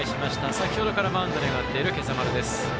先ほどからマウンドに上がっている今朝丸です。